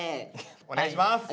お願いします。